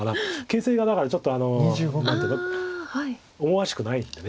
形勢がだからちょっと何ていうの思わしくないんで。